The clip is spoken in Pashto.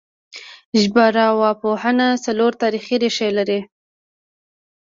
ژبارواپوهنه څلور تاریخي ریښې لري